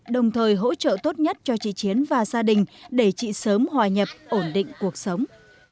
đồng thời hỗ trợ tốt nhất cho chị chiến và gia đình để chị sớm hòa nhập ổn định cuộc sống